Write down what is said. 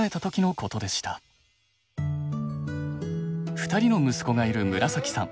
２人の息子がいるむらさきさん。